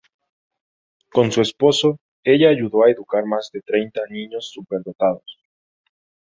Con su esposo, ella ayudó a educar a más de treinta "niños superdotados"..